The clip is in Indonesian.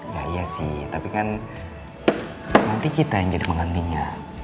ya iya sih tapi kan nanti kita yang jadi pengantinya